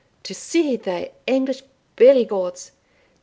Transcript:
To see thae English belly gods!